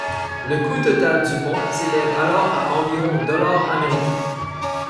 Le coût total du pont s'élève alors à environ dollars américains.